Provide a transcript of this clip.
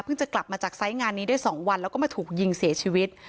จะกลับมาจากไซส์งานนี้ได้๒วันแล้วก็มาถูกยิงเสียชีวิต